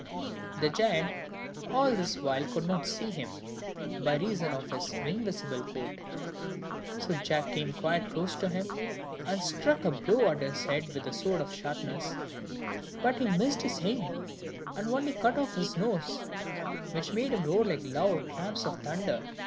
The giant all this while could not see him, by reason of his invisible coat; so Jack came quite close to him, and struck a blow at his head with his sword of sharpness; but he missed his aim, and only cut off his nose, which made him roar like loud claps of thunder.